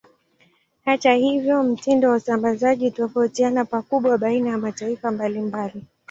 Hata hivyo, mtindo wa usambazaji hutofautiana pakubwa baina ya mataifa mbalimbali.